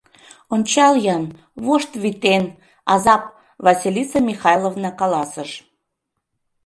— Ончал-ян, вошт витен, азап, — Василиса Михайловна каласыш.